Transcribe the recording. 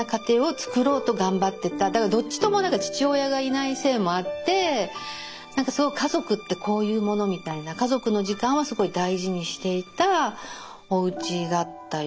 どっちとも父親がいないせいもあって何か家族ってこういうものみたいな家族の時間はすごい大事にしていたおうちだったように思いますね。